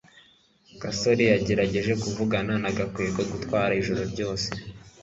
gasore yagerageje kuvugana na gakwego gutwara ijoro ryose